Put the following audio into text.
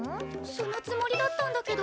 そのつもりだったんだけど。